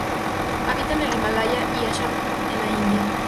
Habita en el Himalaya y Assam en la India.